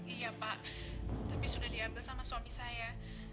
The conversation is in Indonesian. iya pak tapi sudah diambil sama suami saya